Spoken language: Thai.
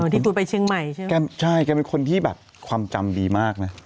ที่กูไปเชียงใหม่ใช่ไหมแกใช่แกเป็นคนที่แบบความจำดีมากนะ